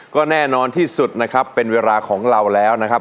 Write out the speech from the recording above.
ก็แน่นอนที่สุดนะครับเป็นเวลาของเราแล้วนะครับ